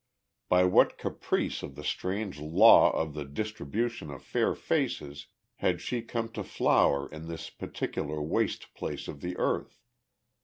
By what caprice of the strange law of the distribution of fair faces had she come to flower in this particular waste place of the earth?